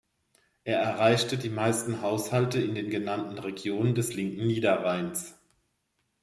Er erreicht die meisten Haushalte in den genannten Regionen des linken Niederrheins.